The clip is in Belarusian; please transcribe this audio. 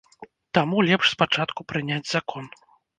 Таму лепш спачатку прыняць закон.